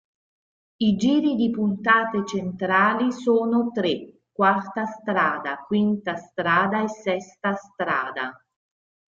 I giri di puntate centrali sono tre: "quarta strada, quinta strada e sesta strada.